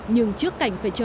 nhưng trước cảnh phải chờ đợi